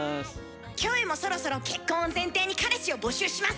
キョエもそろそろ結婚を前提に彼氏を募集します。